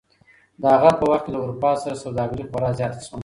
د هغه په وخت کې له اروپا سره سوداګري خورا زیاته شوه.